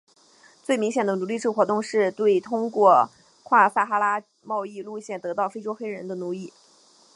最明显的奴隶制活动是对通过跨撒哈拉贸易路线得到的非洲黑人的奴役。